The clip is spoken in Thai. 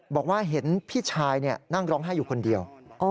บอกว่าเห็นพี่ชายนั่งร้องไห้อยู่คนเดียว